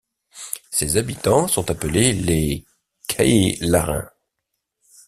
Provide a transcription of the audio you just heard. Ses habitants sont appelés les Caylarains.